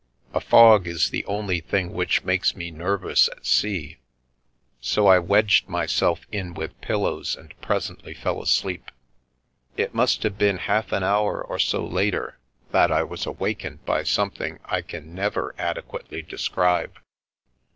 A fog is the only thing which makes me nervous at sea, so I wedged myself in with pillows and presently fell asleep. It must have been half an hour or so later that I was awak ened by something I can never adequately describe.